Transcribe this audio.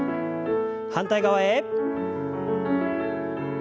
反対側へ。